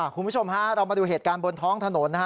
คุณผู้ชมฮะเรามาดูเหตุการณ์บนท้องถนนนะฮะ